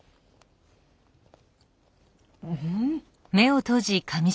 うん！